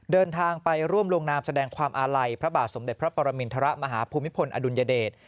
เดินทางไปร่วมลงนามแสดงความอาลัยพระบาทสมเด็จพระปรมินทรมาฮภูมิพลอดุลยเดช